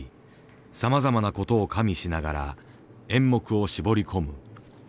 さまざまなことを加味しながら演目を絞り込む。